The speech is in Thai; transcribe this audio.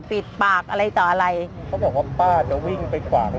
ปิดปากอะไรต่ออะไรเขาบอกว่าป้าจะวิ่งไปกวาด